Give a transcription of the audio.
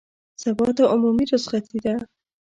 سبا ته عمومي رخصتي ده